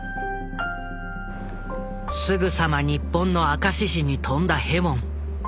すぐさま日本の明石市に飛んだヘウォン。